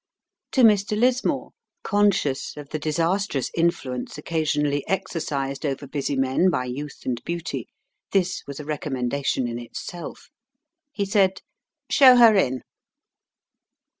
To Mr. Lismore, conscious of the disastrous influence occasionally exercised over busy men by youth and beauty, this was a recommendation in itself. He said, "Show her in."